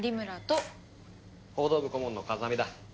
報道部顧問の風見だ。